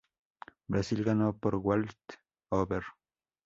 Brasil ganó por walk over.